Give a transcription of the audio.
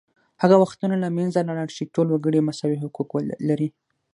هغه وختونه له منځه لاړل چې ټول وګړي مساوي حقوق لري